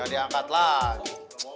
gak diangkat lagi